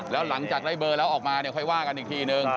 แล้วหลังจากได้เบอร์แล้วออกมาเนี่ยค่อยว่ากันอีกทีนึง